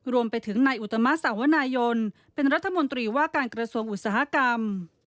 รวมไปถึงนายอุตมะสาวนายนเป็นรัฐมนตรีว่าการกระทรวงอุตสาหกรรม